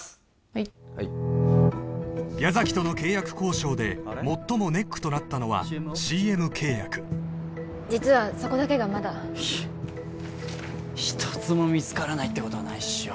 はいはい矢崎との契約交渉で最もネックとなったのはＣＭ契約実はそこだけがまだ一つも見つからないってことはないっしょ